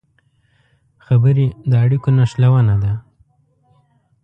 خبرې د اړیکو نښلونه ده